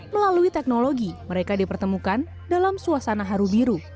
melalui teknologi mereka dipertemukan dalam suasana haru biru